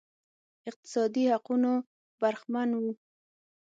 اقتصادي حقونو برخمن وو